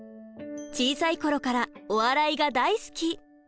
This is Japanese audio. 小さい頃からお笑いが大好き。